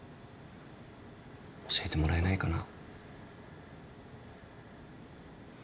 教えてもらえないかな？